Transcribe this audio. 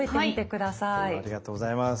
ありがとうございます。